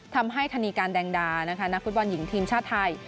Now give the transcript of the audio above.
ธนีการแดงดานะคะนักฟุตบอลหญิงทีมชาติไทย